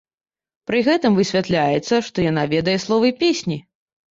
Пры гэтым высвятляецца, што яна ведае словы песні!